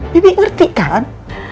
bibi ngerti kan